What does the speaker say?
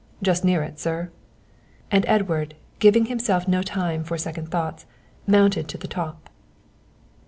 "Just near it, sir." And Edward, giving himself no time for second thoughts, mounted to the top.